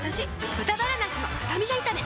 「豚バラなすのスタミナ炒め」